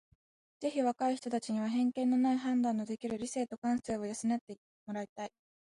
ぜひ若い人たちには偏見のない判断のできる理性と感性を養って貰いたい。